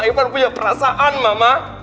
jangan punya perasaan mama